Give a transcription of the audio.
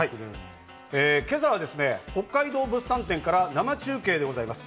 今朝はですね、北海道物産展から生中継でございます。